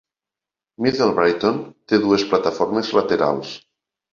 Middle Brighton té dues plataformes laterals.